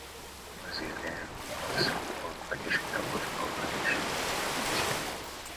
Мы заявляем о своей полной поддержке работы по продвижению этой темы.